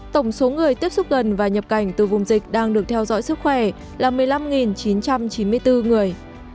tổng số người tiếp xúc gần và nhập cảnh từ vùng dịch đang được theo dõi sức khỏe là một mươi năm chín trăm chín mươi bốn người